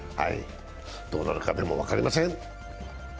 どうなるか分かりません。